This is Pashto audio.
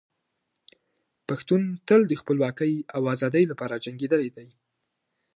پښتون تل د خپلواکۍ او ازادۍ لپاره جنګېدلی دی.